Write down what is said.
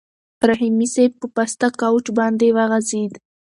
رحیمي صیب په پاسته کوچ باندې وغځېد.